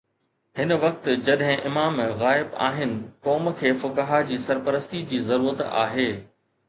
هن وقت جڏهن امام غائب آهن، قوم کي فقهاء جي سرپرستي جي ضرورت آهي.